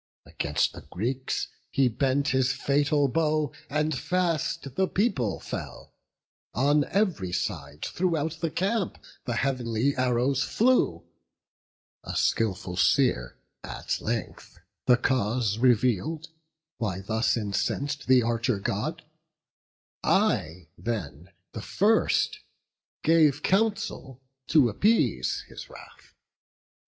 Against the Greeks he bent his fatal bow, And fast the people fell; on ev'ry side Throughout the camp the heav'nly arrows flew; A skilful seer at length the cause reveal'd Why thus incens'd the Archer God; I then, The first, gave counsel to appease his wrath.